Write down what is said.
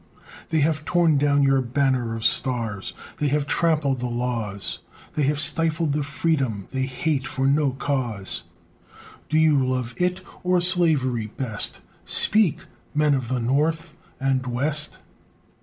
They have torn down your banner of stars; They have trampled the laws; They have stifled the freedom they hate, For no cause! Do you love it or slavery best? Speak! Men of the North and West.